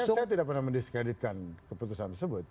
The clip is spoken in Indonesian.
saya tidak pernah mendiskreditkan keputusan tersebut